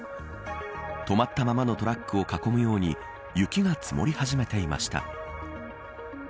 止まったままのトラックを囲むように雪が積もり始めていました。